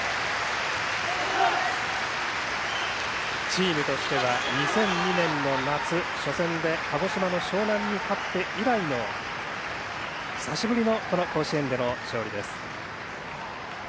チームとしては２００２年の夏初戦で鹿児島の樟南に勝って以来の久しぶりの甲子園での勝利です。